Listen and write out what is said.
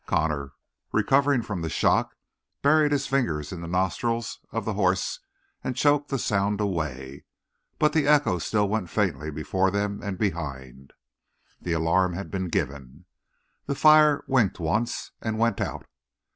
Connor, recovering from the shock, buried his fingers in the nostrils of the horse and choked the sound away; but the echo still went faintly before them and behind. The alarm had been given. The fire winked once and went out.